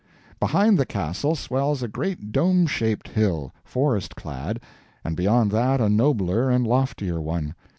Behind the Castle swells a great dome shaped hill, forest clad, and beyond that a nobler and loftier one.